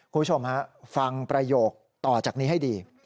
คุณผู้ชมฮะฟังประโยคต่อจากนี้ให้ดี